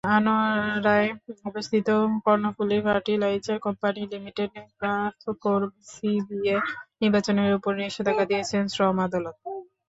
আনোয়ারায় অবস্থিত Karnaphuli fertiliser company লিমিটেড-কাফকোর CBA নির্বাচনের ওপর নিষেধাজ্ঞা দিয়েছেন শ্রম আদালত।